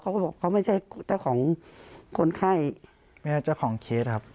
เขาก็บอกเขาไม่ใช่เจ้าของคนไข้ไม่ใช่เจ้าของเคสครับ